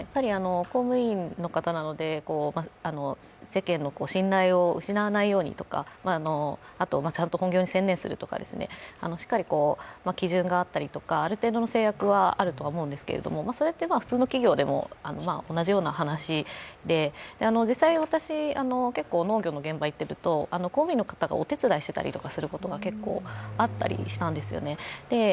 公務員の方なので世間の信頼を失わないようにとかあと、ちゃんと本業に専念するとかしっかり基準があったりとか、ある程度の制約はあると思うんですけど、それって普通の企業でも同じような話で実際、私、結構、農業の現場いくと公務員の方がお手伝いしてることが結構あったりしたんですよね。